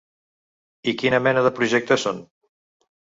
I quina mena de projectes són?